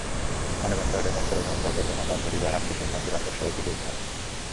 প্রাণবন্ত অজয় দার চলে যাওয়ার বেদনা তাঁর পরিবার, আত্মীয়স্বজন, বন্ধুবান্ধব—সবাইকে বইতে হবে।